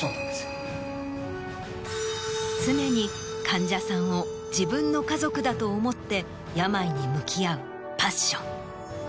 常に患者さんを自分の家族だと思って病に向き合うパッション。